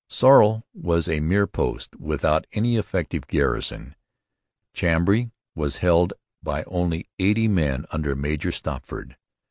Sorel was a mere post without any effective garrison. Chambly was held by only eighty men under Major Stopford.